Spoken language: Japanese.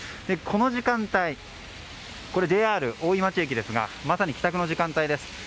この時間帯、ＪＲ大井町駅ですがまさに帰宅の時間帯です。